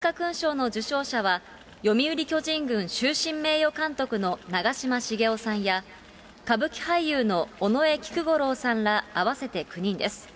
ことしの文化勲章の受章者は、読売巨人軍終身名誉監督の長嶋茂雄さんや、歌舞伎俳優の尾上菊五郎さんら合わせて９人です。